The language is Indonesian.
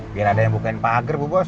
biar ada yang bukain pahager bu bos